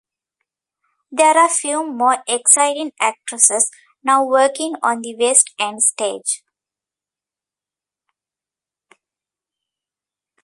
There are few more exciting actresses now working on the West End stage.